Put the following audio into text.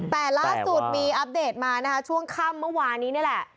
แต่ล่าสุดมีอัปเดตมานะคะช่วงค่ำเมื่อวานนี้นี่แหละ